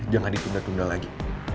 jangan ditunda tunda lagi